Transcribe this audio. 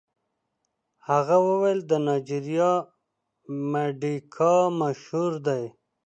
هغه وویل د نایجیریا مډیګا مشهور دی.